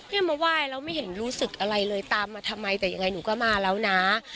มาไหว้แล้วไม่เห็นรู้สึกอะไรเลยตามมาทำไมแต่ยังไงหนูก็มาแล้วนะ